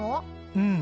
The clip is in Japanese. うん。